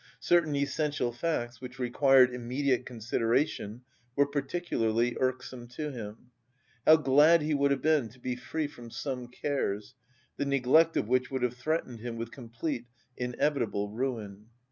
Certain essential facts which required immediate consideration were particularly irksome to him. How glad he would have been to be free from some cares, the neglect of which would have threatened him with complete, inevitable ruin.